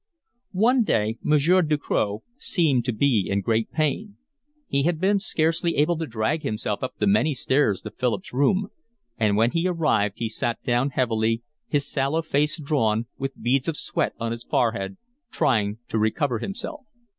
One day Monsieur Ducroz seemed to be in great pain. He had been scarcely able to drag himself up the many stairs to Philip's room: and when he arrived sat down heavily, his sallow face drawn, with beads of sweat on his forehead, trying to recover himself.